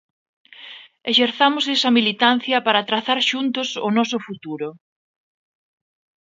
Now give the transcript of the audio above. Exerzamos esa militancia para trazar xuntos o noso futuro.